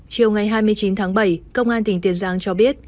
chiều ngày hai mươi chín tháng bảy công an tỉnh tiền giang cho biết